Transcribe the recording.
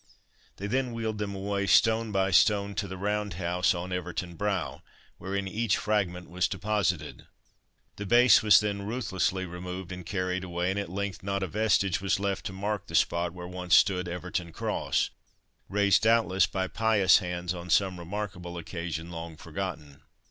They then wheeled them away, stone by stone, to the Round House on Everton brow, wherein each fragment was deposited. The base was then ruthlessly removed and carried away, and at length not a vestige was left to mark the spot where once stood Everton Cross raised doubtless by pious hands on some remarkable occasion long forgotten.